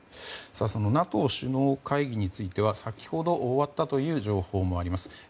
そのＮＡＴＯ首脳会議については先ほど終わったという情報もあります。